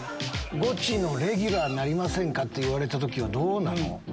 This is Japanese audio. ゴチのレギュラーになりません？って言われた時はどうなの？